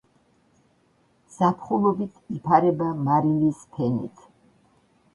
ზაფხულობით იფარება მარილის ფენით.